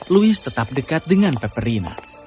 louis tetap dekat dengan peperina